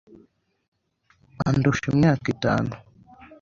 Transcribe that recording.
Andusha imyaka itanu.